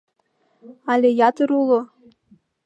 Але ятыр уло...